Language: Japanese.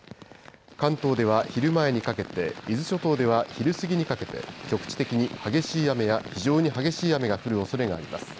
関東では昼前にかけて、伊豆諸島では昼過ぎにかけて、局地的に激しい雨や非常に激しい雨が降るおそれがあります。